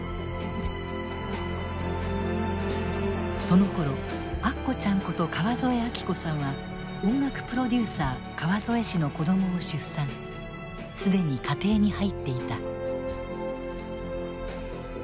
そのころアッコちゃんこと川添明子さんは音楽プロデューサー川添氏の子供を出産既に家庭に入っていた。